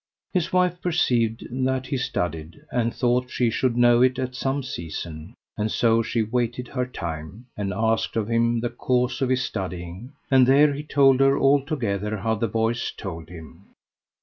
His wife perceived that he studied, and thought she would know it at some season; and so she waited her time, and asked of him the cause of his studying, and there he told her altogether how the voice told him.